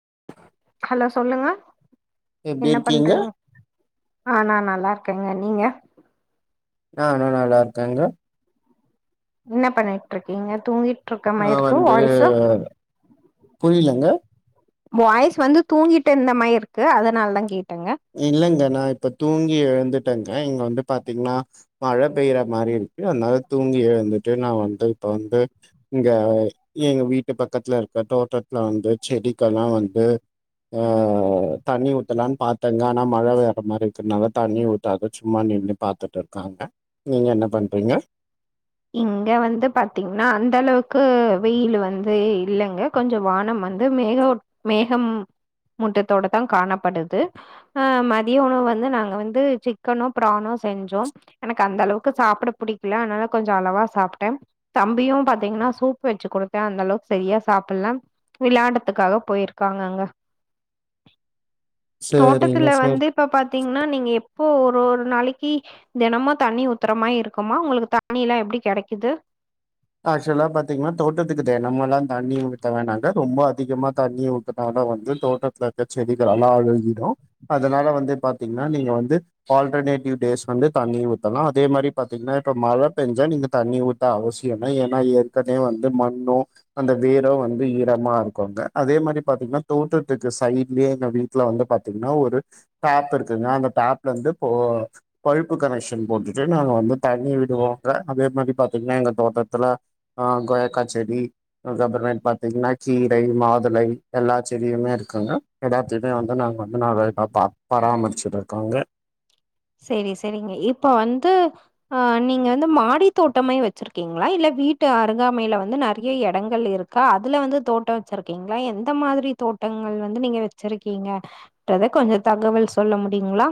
[inaudible] hello சொல்லுங்க எப்டி என்ன இருக்கீங்க பண்றீங்க ஆ நா நல்லா இருக்கேங்க நீங்க ஆ நா நல்லா இருக்கேங்க என்ன பண்ணிட்டு இருக்கீங்க தூங்கிட்டு இருக்க ஆ மாரி இருக்கு வந்து வாய்ஸு புரியிலங்க வாய்ஸ் வந்து தூங்கிட்டு இருந்த மாதிரி இருக்கு அதனால தா கேட்டே இல்லங்க நா இப்ப தூங்கி தூங்கி எழுந்துட்டேங்க இங்க வந்து பாத்தீங்கனா மழ பெய்ற மாரி இருக்கு அதனால தூங்கி எழுந்துட்டு நா வந்து இப்ப வந்து இங்க எங்க வீட்டு பக்கத்ல இருக்க தோட்டத்ல வந்து செடிக்கெல்லா வந்து ஆ தண்ணி ஊத்தலாம்னு பாத் தெங்கானா மழை வேற மாரி இருக்குனால தண்ணி ஊத்தாம சும்மா நின்ன பாத்துட்டு இருக்காங்க நீங்க என்ன பண்றிங்க இங்க வந்து பாத்தீங்கன்னா அந்த அளவுக்கு வெயில் வந்து இல்லைங்க கொஞ்ச வானம் வந்து மேக மேக மூட்டத்தோட தா காணப்படுது அ மதிய உணவு வந்து நாங்க வந்து சிக்கனோ பிரானோ செஞ்சோ எனக்கு அந்த அளவுக்கு சாப்பிட பிடிக்கல அதனால கொஞ்ச அளவா சாப்ட்டே தம்பியு பாத்தீங்கன்னா சூப் வச்சு குடுத்தே அந்த அளவுக்கு சரியா சாப்பிட்ல விளையாட்ரத்துக்காக போயிருக்காங்கங்க சேரிங்க தோட்டத்துல சேரி வந்து இப்ப பாத்தீங்கன்னா நீங்க இப்போ ஒரு ஒரு நாளைக்கு தினமு தண்ணி ஊத்தரமா இருக்குமா உங்களுக்கு த தன்ணில்லா எப்டி கெடைக்குது ஆக்சுவலா பாத்தீங்கன்னா தோட்டத்துக்கு தே நம்மெலா தண்ணி ஊத்த வேணாங்க ரொம்ப அதிகமா தண்ணி ஊததுனால வந்து தோட்டத்தில இருக்க செடிகெலலா அழுகிடு அதனால வந்து பாத்தீங்கன்னா நீங்க வந்து ஆல்டர்னேட்டிவ் டேஸ் வந்து தண்ணி ஊத்தலா அதே மாரி பாத்தீங்கன்னா இப்போ மழ பெஞ்சா நீங்க தண்ணி ஊத்த அவசியோ ஏன்னா ஏனா ஏற்கனவே வந்து மண்ணு அந்த வேரோ வந்து ஈரமா இருக்கங்க அதே மாரி பாத்தீங்கன்னா தோட்டத்துக்கு சைட்லயே எங்க வீட்டுல வந்து பாத்தீங்கன்னா ஒரு டேப் இருக்குங்க அந்த டேப்ல இருந்து பல்ப்பு கனெக்ஷன் போட்டுட்டு நாங்க வந்து தண்ணி விடுவோங்க அதே மாரி பாத்தீங்கன்னா எங்க தோட்டத்துல ஆ கோயாக்கா செடி அதுகப்ரமேட்டு பாத்தீங்கன்னா கீரை மாதுளை எல்லா செடியுமே இருக்குங்க எளாத்தையுமே வந்து நாங்க வந்து [unintelligible] பா பராமரிச்சட்டுருக்காங்க சேரி சேரிங்க இப்ப வந்து ஆ நீங்க வந்து மாடி தோட்டமே வச்சிருக்கீங்களா இல்ல வீட்டு அருங்காமையில வந்து நிறையா இடங்கள் இருக்கா அதுல வந்து தோட்டம் வச்சிருக்கீங்களா எந்த மாதிரி தோட்டங்கள் வந்து நீங்க வச்சிருக்கீங்கன்றத கொஞ்ச தகவல் சொல்ல முடியுங்களா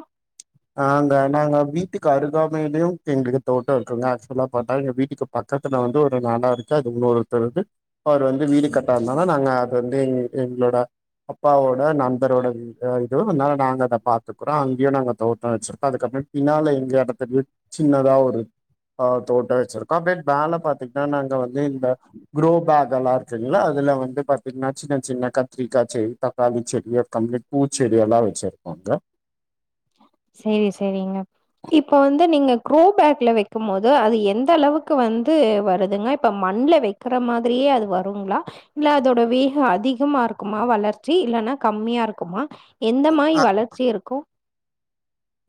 ஆ அங்கே நாங்க வீட்டுக்கு அருகாமையுலேயு எங்களுக்கு தோட்டோ இருக்குங்க ஆக்சுவலா பாத்தா எங்க வீட்டுக்கு பக்கத்தில்ல வந்து ஒரு நெலோ இருக்கு அது இன்னொருத்தருது அவர் வந்து வீடு கட்டாதநால நாங்க அது வந்து எங் எங்களோட அப்பாவோட நண்பரோட இது அதனால நாங்க அத பாத்துக்குறோ அங்கேயு நாங்க தோட்டோ வச்சிரு அதுக்கப்புறோ பின்னால எங்க எடத்துல சின்னதா ஒரு தோட்டோ வச்சிருகோ அப்லே மேல பாத்தீங்கன்னா நாங்க வந்து [unintelligible] கரோபேக் அதெல்லா இருக்குங்களா அதுல வந்து பாத்தீங்கன்னா சின்ன சின்ன கத்திரிக்கா செடி தக்காளி செடி கம்ப்ளீட் பூச்செடி எல்லா வச்சிருக்கோங்க சேரி சேரிங்க இப்ப வந்து நீங்க குரோ பேக்ல வைக்கும் போது அது எந்த அளவுக்கு வந்து வருதுங்க இப்ப மண்ல வைக்கிற மாதிரியே அது வருங்களா இல்ல அதோட வேகோ அதிகமா இருக்குமா வளர்ச்சி இல்லைன்னா கம்மியா இருக்குமா எந்த மாயி வளர்ச்சி இருக்கு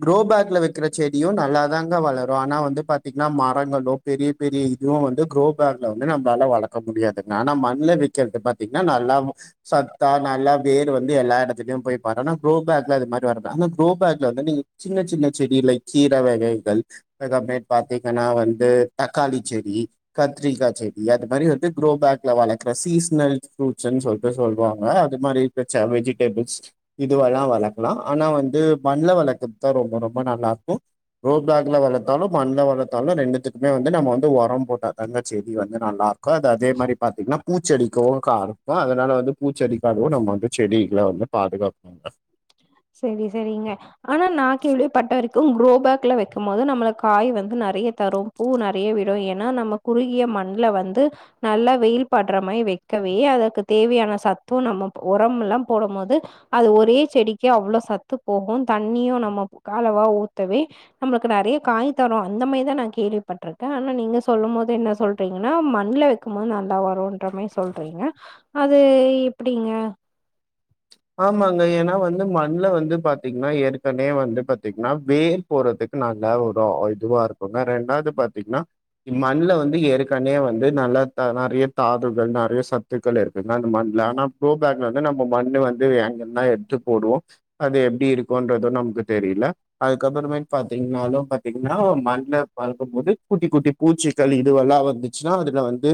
குரோபேக்ல வக்கிற செடியு நல்லாதாங்க வளரு ஆனா வந்து பாத்தீங்கன்னா மரங்களு பெரிய பெரிய இதுவு வந்து குரோ பேக்ல வந்து நம்மளால வளர்க்க முடியாதுங்க ஆனா மண்ல வைக்கிறது பாத்தீங்கன்னா நல்லா சத்தா நல்லா வேர் வந்து எல்லா எடத்துலயு போய் பாரு ஆனா குரோ பேக்ல அது மாரி வர்து ஆந்த குரோ பேக்ல வந்து நீங்க சின்ன சின்ன செடி லைக் கீரை வகைகள் அதஅப்டே பாத்தீங்கன்னா வந்து தக்காளி செடி கத்திரிக்கா செடி அது மாரி வந்து குரோ பேக்ல வளர்க்குற சீஸ்னல் ஃப்ரூட்ஸ்ன்னு சொல்லிட்டு சொல்லுவாங்க அது மாரிப்ப வெஜிடபிள்ஸ் இதுவெல்லா வளக்கலா ஆனா வந்து மண்ணல வளக்க தா ரொம்ப ரொம்ப நல்லா இருக்கு க்ரோபேக்ல வளத்தாலு மண்ல வளத்தாலு ரெண்டுத்துக்குமே வந்து நம்ம வந்து உரம் போட்டா தாங்க செடி வந்து நல்லா இருக்கு அது அதே மாரி பாத்தீங்கன்னா பூச்செடிக்கவு கா இருக்கு அதனால வந்து பூச்செடிக்க அதுவு நம்ம வந்து செடிகள வந்து பாதுகாப்பவாங்க சேரி சேரிங்க ஆனா நா கேள்விபட்ட வரைக்கு குரோபேக்ல வைக்கும் போது நம்மள காய் வந்து நறையா தரு பூ நறையா விடு ஏன்னா நம்ம குறுகிய மண்ல வந்து நல்லா வெயில் படுற மாரி வக்கவே அதுக்கு தேவையான சத்தம் நம்ம உரம்லா போடும் போது அது ஒரே செடி கே அவ்ளோ சத்து போகு தண்ணியும் நம்ம காலவா ஊத்தவே நம்மளுக்கு நறையா காய் தரு அந்த மாரிதா நா கேள்விப்பட்டிருக்கே ஆனா நீங்க சொல்லும் போது என்ன சொல்றீங்கன்னா மண்ணுல வைக்கம் போது நல்லா வரும்ன்ற மாரி சொல்றீங்க அது எப்படிங்க ஆமாங்க ஏன்னா வந்து மண்ல வந்து பாத்தீங்கன்னா ஏற்கனவே வந்து பாத்தீங்கன்னா வேர் போறதுக்கு நல்லா ஒரு இதுவா இருக்குங்க ரெண்டாவது பாத்தீங்கன்னா மண்ல வந்து ஏற்கனவே வந்து நல்லா நறையா தாதுகள் நறையா சத்துக்கள் இருக்குங்க அந்த மண்ல ஆனா க்ரோபக்ல வந்து நம்ம மண்ணு வந்து வேங்கல்லா எடுத்து போடுவோ அது எப்டி இருக்கும்ன்றது நமக்கு தெரியல அதுக்கப்புறமேட் பாத்தீங்கன்னாலும் பாத்தீங்கன்னா மண்ல பக்கும் போது குட்டி குட்டி பூச்சிகள் இதுவெல்லா வந்துச்சுன்னா அதுல வந்து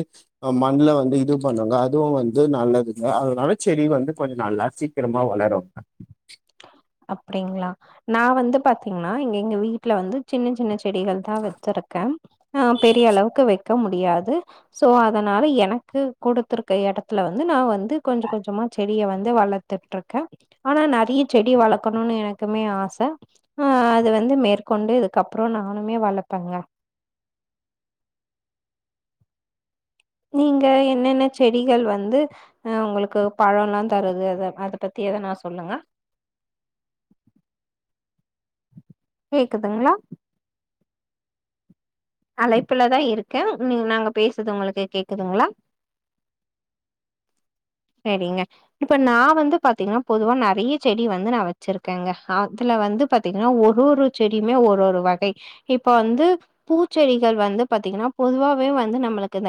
மண்ல வந்து இது பண்ங்க அதுவு வந்து நல்லது இல்ல அதனால செடி வந்து கொஞ்ச நல்லா சீக்கிரமா வளருங்க அப்டிங்களா நா வந்து பாத்தீங்கன்னா இங்க எங்க வீட்டுல வந்து சின்ன சின்ன செடிகள் தா வச்சிருக்கே ஆ பெரிய அளவுக்கு வைக்க முடியாது சோ அதனால எனக்கு குடுத்துருக்க எடத்துல வந்து நா வந்து கொஞ்ச கொஞ்சமா செடிய வந்து வளத்துட்ருக்கே ஆனா நறையா செடி வளக் க்கணும்னு எனக்குமே ஆச ஆ அது வந்து மேற்கொண்டு இதுக்கப்புறோ நானுமே வளப்பேங்க நீங்க என்னென்ன செடிகள் வந்து ஆ உங்களுக்கு பழம்ல்லா தருது அத அத பத்தி ஏத நா சொல்லுங்க கேக்குதுங்களா அழைப்புலதா இருக்கே நீ நாங்க பேசுது உங்களுக்கு கேக்குதுங்களா சேரிங்க இப்ப நா வந்து பாத்தீங்கன்னா பொதுவா நறையா செடி வந்து நா வச்சிருக்கேங்க அதுல வந்து பாத்தீங்கன்னா ஒரு ஒரு செடியுமே ஒரு ஒரு வகை இப்ப வந்து பூச்செடிகள் வந்து பாத்தீங்கன்னா பொதுவாவே வந்து நம்மளுக்கு இந்த